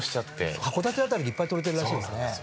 函館辺りでいっぱい捕れてるらしいですね。